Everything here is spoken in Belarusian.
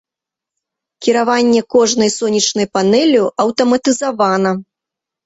Кіраванне кожнай сонечнай панэллю аўтаматызавана.